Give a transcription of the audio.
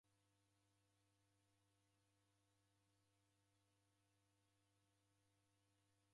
Kwa irina jha Mulungu ndedilaghaya